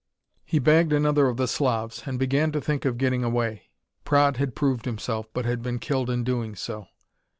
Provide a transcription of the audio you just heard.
He bagged another of the Slavs, and began to think of getting away. Praed had proved himself, but had been killed in doing so.